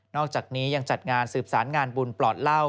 อกจากนี้ยังจัดงานสืบสารงานบุญปลอดเหล้า